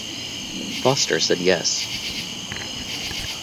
Foster said yes.